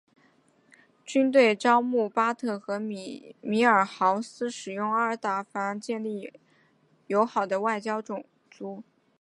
军队招募巴特和米尔豪斯使用阿凡达建立交好的外来种族。